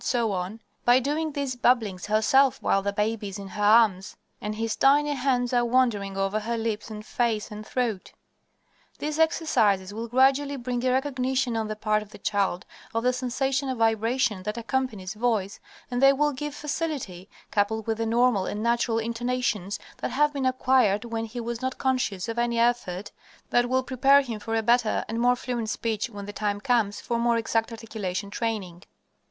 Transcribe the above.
by doing these babblings herself while the baby is in her arms and his tiny hands are wandering over her lips and face and throat. These exercises will gradually bring a recognition on the part of the child of the sensation of vibration that accompanies voice, and they will give facility, coupled with the normal and natural intonations that have been acquired when he was not conscious of any effort, that will prepare him for a better and more fluent speech when the time comes for more exact articulation training.